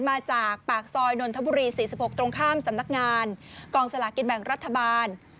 มาจากปากซอยนนทบุรี๔๖ตรงข้ามสำนักงานกองสลากินแบ่งรัฐบาล